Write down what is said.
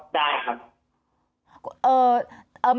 ก็ได้ครับ